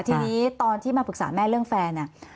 ทีนี้ตอนที่มาปรึกษาแม่เรื่องแฟนเนี่ย